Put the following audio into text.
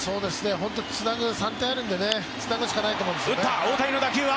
本当につなぐ、３点あるんで、つなぐしかないと思うんですね。